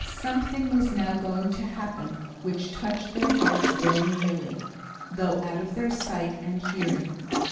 Something was now going to happen, which touched their hearts very nearly, though out of their sight and hearing.